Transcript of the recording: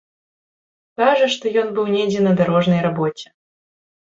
Кажа, што ён быў недзе на дарожнай рабоце.